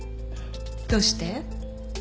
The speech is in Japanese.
どうして？